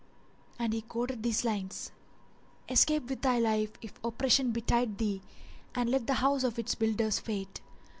And he quoted these lines:— "Escape with thy life, if oppression betide thee, * And let the house of its builder's fate!